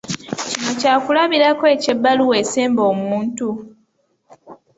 Kino kyakulabirako eky'ebbaluwa esemba omuntu.